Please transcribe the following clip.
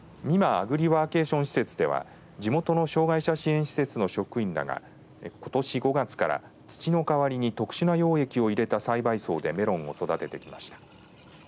アグリワーケーション施設では地元の障害者施設の職員らがことし５月から土の代わりに特殊な養液を入れた栽培槽でメロンを育ててきました。